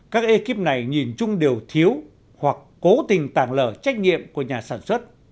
các ekip này nhìn chung điều thiếu hoặc cố tình tàng lờ trách nhiệm của nhà sản xuất